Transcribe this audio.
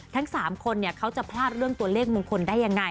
ทั้ง๓คนเขาจะพลาดเรื่องตัวเลขมงคลได้ยังไง